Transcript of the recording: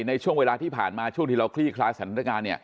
ในช่วงเวลาที่ผ่านมาช่วงที่เราคลี่คลายสถานการณ์